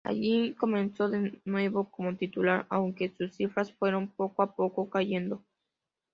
Allí comenzó de nuevo como titular, aunque sus cifras fueron poco a poco cayendo.